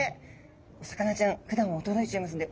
お魚ちゃんふだんは驚いちゃいますので。